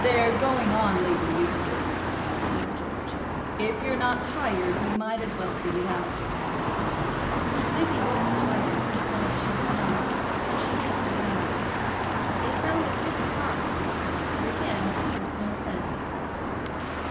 "They're going on, Lady Eustace," said Lord George. "If you're not tired, we might as well see it out." Lizzie was tired, but said that she was not, and she did see it out. They found a fifth fox, but again there was no scent.